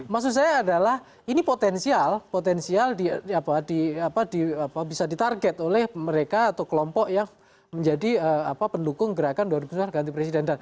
maksud saya adalah ini potensial potensial bisa ditarget oleh mereka atau kelompok yang menjadi pendukung gerakan dua ribu sembilan belas ganti presiden